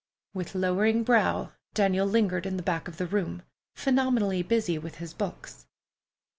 With lowering brow, Daniel lingered in the back of the room, phenomenally busy with his books.